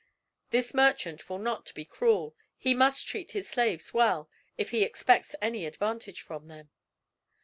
This merchant will not be cruel; he must treat his slaves well, if he expects any advantage from them."